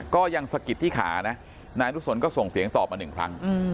ก็ยังสะกิดที่ขานะนายอนุสนก็ส่งเสียงตอบมาหนึ่งครั้ง